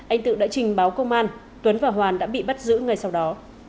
anh tự đã trình báo công an tuấn và hoàn đã bị bắt giữ ngay sau đó